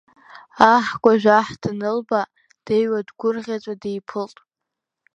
Аҳкәажә аҳ данылба, дыҩуа дгәырӷьаҵәа диԥылт.